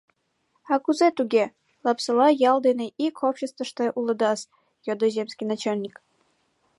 — А кузе туге, Лапсола ял дене ик обществыште улыдас? — йодо земский начальник.